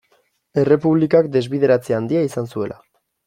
Errepublikak desbideratze handia izan zuela.